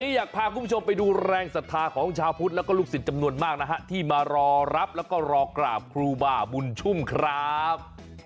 อยากพาคุณผู้ชมไปดูแรงศรัทธาของชาวพุทธแล้วก็ลูกศิษย์จำนวนมากนะฮะที่มารอรับแล้วก็รอกราบครูบาบุญชุ่มครับ